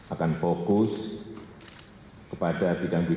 akan fokus kepada bidang bidang